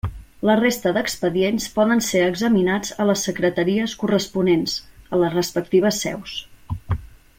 La resta d'expedients poden ser examinats a les Secretaries corresponents, a les respectives seus.